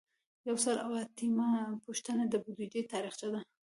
یو سل او اتیایمه پوښتنه د بودیجې تاریخچه ده.